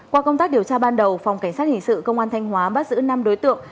qua công tác điều tra ban đầu phòng cảnh sát hình sự công an thanh hóa bắt giữ năm đối tượng